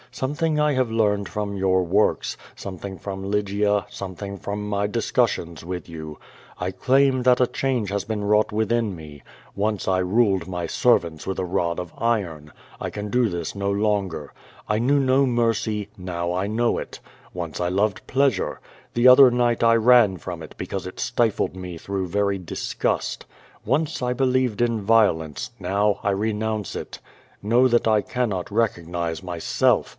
Some thing I have learned from your works, something from Lygia, something from my discussions with you. I claim that a change hath been wrought witliin me. Once I ruled my servants with a rod of iron. I can do this no longer. I knew no mercy, now I know it. Once I loved pleasure. The other night I ran from it because it stifled me througli very disgust. Once I believed in violence, now I renounce it. Know that I cannot recognize myself.